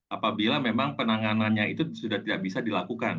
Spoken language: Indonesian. apabila memang penanganannya itu sudah tidak bisa dilakukan